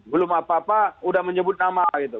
belum apa apa udah menyebut nama gitu